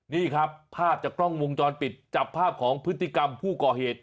นี่ครับภาพจากกล้องวงจรปิดจับภาพของพฤติกรรมผู้ก่อเหตุ